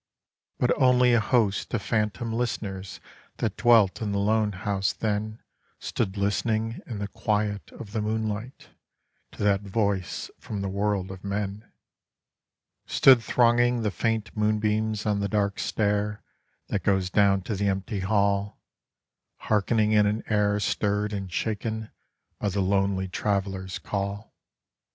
But only a host of phantom listeners That dwelt in the lone house then Stood listening in the quiet of the moonlight To that voice from the world of men: Stood thronging the faint moonbeams on the dark stair That goes down to the empty hall, Hearkening in an air stirred and shaken By the lonely Traveler's call.